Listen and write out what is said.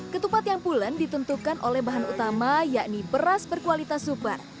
ketupat yang pulen ditentukan oleh bahan utama yakni beras berkualitas super